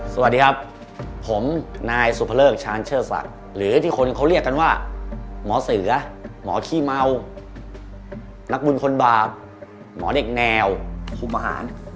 สวัสดีครับผมนายสุภเลิกชาญเชิดศักดิ์หรือที่คนเขาเรียกกันว่าหมอเสือหมอขี้เมานักบุญคนบาปหมอเด็กแนวคุมอาหาร